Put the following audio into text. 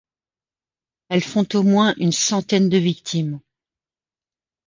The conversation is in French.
Elles font au moins une centaine de victimes.